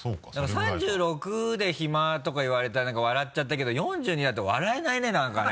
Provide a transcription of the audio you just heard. ３６で暇とか言われたらなんか笑っちゃったけど４２だと笑えないねなんかね。